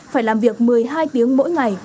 phải làm việc một mươi hai tiếng mỗi ngày